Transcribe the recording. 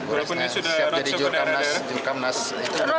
berapa ini sudah rotsok benar